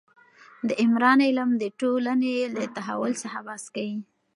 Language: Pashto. د عمران علم د ټولنې له تحول څخه بحث کوي.